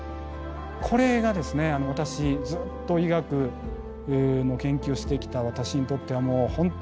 これがですね私ずっと医学の研究をしてきた私にとってはもう本当目からうろこでした。